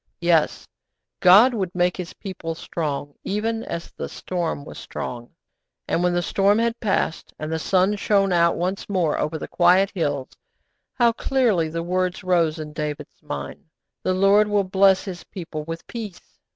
Yes, God would make His people strong, even as the storm was strong. And when the storm had passed, and the sun shone out once more over the quiet hills, how clearly the words rose in David's mind, '_The Lord will bless His people with peace!